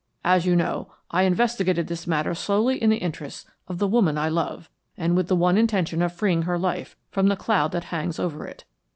As you know, I investigated this matter solely in the interests of the woman I love, and with the one intention of freeing her life from the cloud that hangs over it.